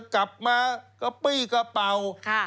กลับมาก็ปี้กระเป๋า